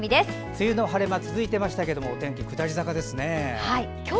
梅雨の晴れ間続いていましたがお天気、下り坂ですね。